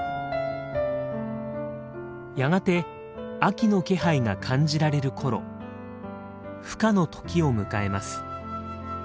やがて秋の気配が感じられる頃ふ化の時を迎えます。